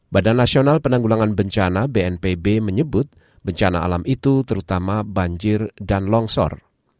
badan nasional penanggulangan bencana bnpb menyebut bencana alam itu terutama banjir dan longsor